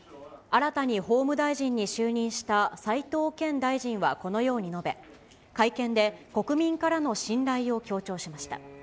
新たに法務大臣に就任した斎藤健大臣はこのように述べ、会見で国民からの信頼を強調しました。